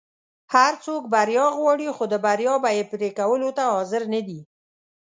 هر څوک بریا غواړي خو د بریا بیی پری کولو ته حاضر نه دي.